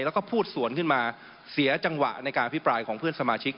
แล้วก็พูดสวนขึ้นมาเสียจังหวะในการอภิปรายของเพื่อนสมาชิก